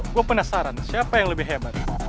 gue penasaran siapa yang lebih hebat